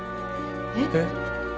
えっ？